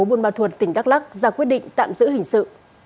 buôn ma thuột tỉnh đắk lắc ra quyết định tạm giữ hình sự